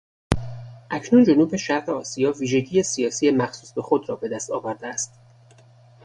اکنون جنوب شرقی آسیا ویژگی سیاسی مخصوص به خود را به دست آوردهاست.